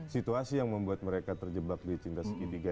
situasi yang membuat mereka terjebak di cinta segitiga